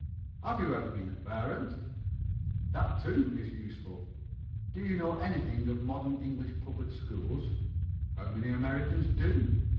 Have you ever been a parent? That too is useful. "Do you know anything of modern English public schools? How many Americans do?